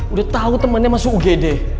udah tahu temannya masuk ugd